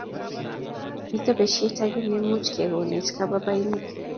Mito besiet agenge ne mukekonech kababainik